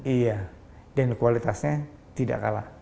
iya dan kualitasnya tidak kalah